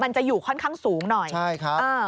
มันจะอยู่ค่อนข้างสูงหน่อยใช่ครับ